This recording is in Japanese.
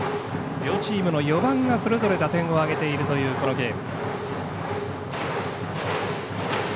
両チームの４番がそれぞれ打点を挙げているというこのゲーム。